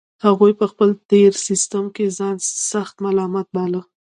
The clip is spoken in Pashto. هغوی په خپل تېر تصميم کې ځان سخت ملامت باله